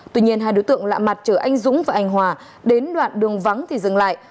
tuy nhiên hai đối tượng lạ mặt chở anh dũng và anh hòa đến đoạn đường vắng thì dừng lại